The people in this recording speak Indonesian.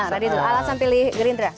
radit alasan pilih gerindra